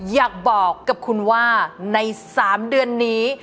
อยากบอกกับคุณว่าใน๓เดือนนี้